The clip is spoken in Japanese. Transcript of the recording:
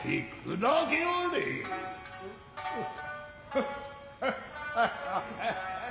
ハハハハハハハ。